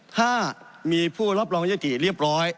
ถ้ามีผู้รับรองยติเรียบร้อย